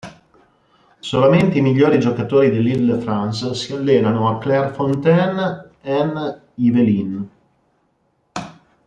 Solamente i migliori giocatori dell'Île-de-France si allenano a Clairefontaine-en-Yvelines.